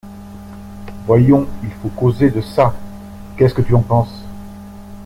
Voyons, il faut causer de ça ; qu’est-ce que tu en penses ?